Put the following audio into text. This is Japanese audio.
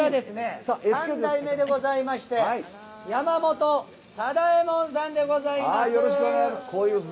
三代目でございまして山本貞右衛門さんでございます。